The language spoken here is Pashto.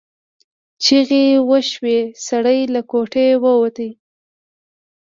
چیغې وشوې سړی له کوټې ووت.